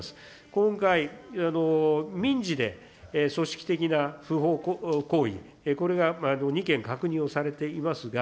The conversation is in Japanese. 今回、民事で組織的な不法行為、これが２件確認をされていますが、